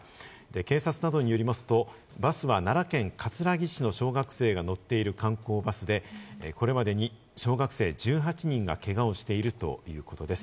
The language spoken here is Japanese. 警察などによりますと、バスは奈良県葛城市の小学生が乗っている観光バスで、これまでに小学生１８人がけがをしているということです。